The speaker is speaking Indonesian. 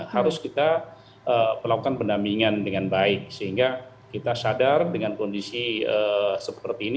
harus kita lakukan pendampingan dengan baik sehingga kita sadar dengan kondisi seperti ini